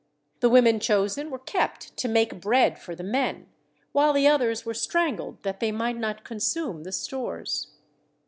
The women chosen were kept to make bread for the men; while the others were strangled that they might not consume the stores.